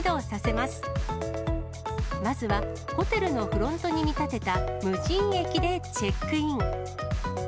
まずはホテルのフロントに見立てた無人駅でチェックイン。